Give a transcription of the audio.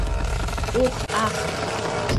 Ух, ах!